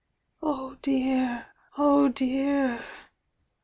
"Oh dear, oh dear!"